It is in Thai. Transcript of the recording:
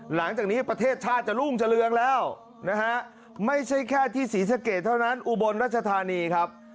หลังจากนี้ประเทศชาติจะรุ่งเจริญแล้วนะฮะไม่ใช่แค่ที่ศรีสะเกดเท่านั้นอุบลรัชธานีครับ